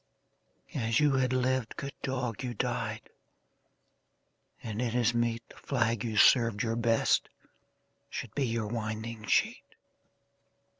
As you had lived, good dog, you died, And it is meet The flag you served your best should be Your winding sheet.